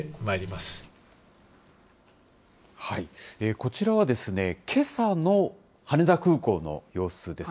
こちらは、けさの羽田空港の様子です。